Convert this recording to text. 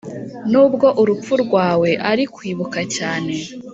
nubwo urupfu rwawe ari kwibuka cyane,